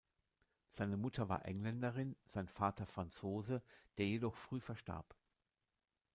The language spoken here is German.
Seine Mutter war Engländerin, sein Vater Franzose, der jedoch früh verstarb.